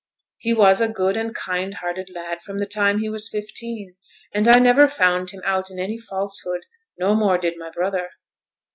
'He was a good and kind hearted lad from the time he was fifteen. And I never found him out in any falsehood, no more did my brother.'